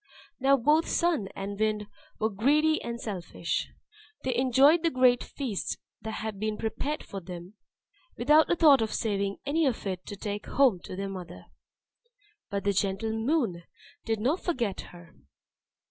Now both Sun and Wind were greedy and selfish. They enjoyed the great feast that had been prepared for them, without a thought of saving any of it to take home to their mother but the gentle Moon did not forget her.